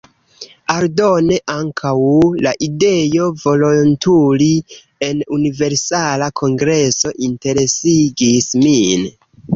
Aldone, ankaŭ la ideo volontuli en Universala Kongreso interesegis min.